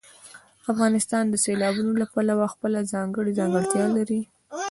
افغانستان د سیلابونو له پلوه خپله ځانګړې ځانګړتیا لري.